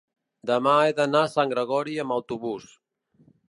demà he d'anar a Sant Gregori amb autobús.